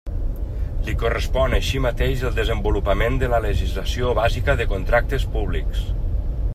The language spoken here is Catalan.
L'hi correspon així mateix el desenvolupament de la legislació bàsica de contractes públics.